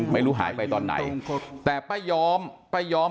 ไม่รู้หายไปตอนไหนแต่ป้ายอม